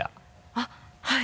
あっはい。